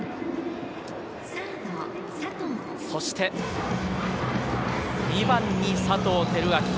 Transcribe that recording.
そして２番に佐藤輝明。